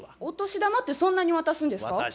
お年玉ってそんなに渡すんですか？